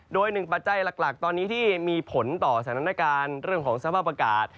โดยหนึ่งปัจจัยหลักตอนนี้ที่มีผลต่อสถานการณ์เรื่องของสภาพอากาศ